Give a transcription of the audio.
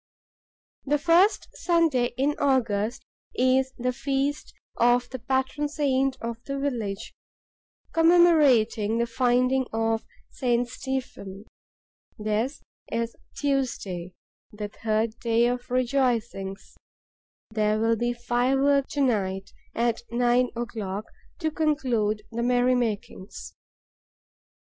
The first Sunday in August is the feast of the patron saint of the village, commemorating the Finding of St. Stephen. This is Tuesday, the third day of the rejoicings. There will be fireworks to night, at nine o'clock, to conclude the merry makings.